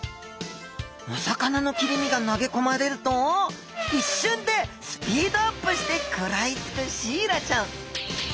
お魚の切り身が投げ込まれると一瞬でスピードアップして食らいつくシイラちゃん